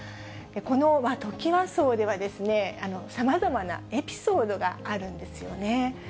このトキワ荘では、さまざまなエピソードがあるんですよね。